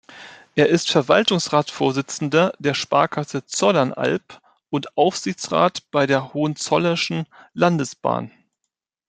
Er ist Verwaltungsratsvorsitzender der Sparkasse Zollernalb und Aufsichtsrat bei der Hohenzollerischen Landesbahn.